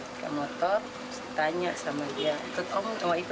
pake motor tanya sama dia ikut om gak